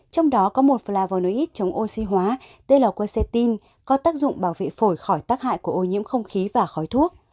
trong đó có một flavonoid chống oxy hóa tên là quercetin có tác dụng bảo vệ phổi khỏi tác hại của ô nhiễm không khí và khói thuốc